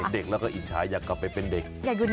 เด็กแล้วก็อิจฉาอยากกลับไปเป็นเด็ก